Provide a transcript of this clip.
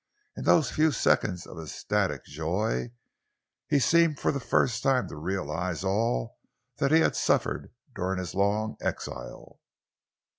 In those few seconds of ecstatic joy, he seemed for the first time to realise all that he had suffered during his long exile.